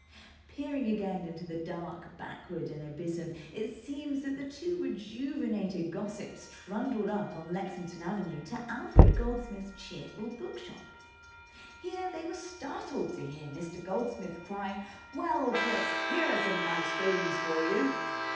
Peering again into the dark backward and abysm, it seems that the two rejuvenated gossips trundled up on Lexington Avenue to Alfred Goldsmith's cheerful bookshop. Here they were startled to hear Mr. Goldsmith cry: "Well, Chris, here are some nice bones for you."